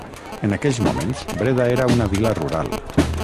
En aquells moments Breda era una vila rural.